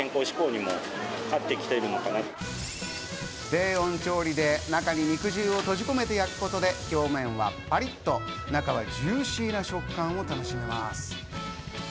低温調理で中に肉汁を閉じ込めて焼くことで表面はカリッと、中はジューシーな食感を楽しめます。